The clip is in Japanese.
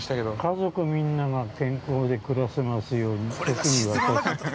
◆家族みんなが健康でくらせますように特に私。